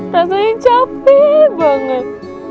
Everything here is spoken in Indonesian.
rasanya capek banget